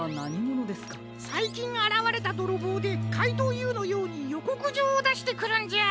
さいきんあらわれたどろぼうでかいとうＵのようによこくじょうをだしてくるんじゃ。